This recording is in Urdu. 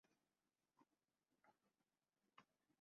ایم قیو ایم کی جانب سے پریس کانفرنس کی گئی